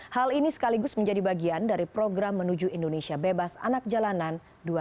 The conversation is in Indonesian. hal ini sekaligus menjadi bagian dari program menuju indonesia bebas anak jalanan dua ribu dua puluh